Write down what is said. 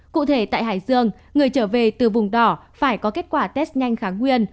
cụ thể tại hải dương người trở về từ vùng đỏ phải có kết quả test nhanh kháng nguyên